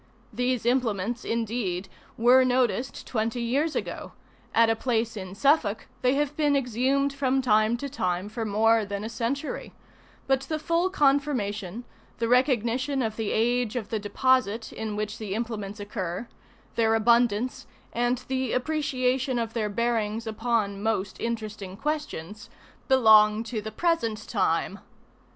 These implements, indeed, were noticed twenty years ago; at a place in Suffolk they have been exhumed from time to time for more than a century; but the full confirmation, the recognition of the age of the deposit in which the implements occur, their abundance, and the appreciation of their bearings upon most interesting questions, belong to the present time.